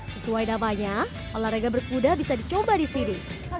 sesuai namanya olahraga berkuda bisa dicoba di sini